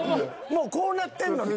もうこうなってんのに。